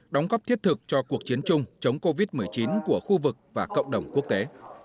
đóng góp thiết thực cho cuộc chiến chung chống covid một mươi chín của khu vực và cộng đồng quốc tế